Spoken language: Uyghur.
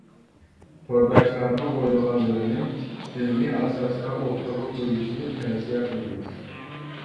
تورداشلارنىڭ ئويلىغانلىرىنى ئىلمى ئاساستا ئوتتۇرىغا قۇيۇشىنى تەۋسىيە قىلىمىز.